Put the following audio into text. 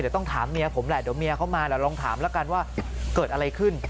เดี๋ยวต้องถามเมียผมแหละเดี๋ยวเมียเขามาเดี๋ยวลองถามแล้วกันว่าเกิดอะไรขึ้น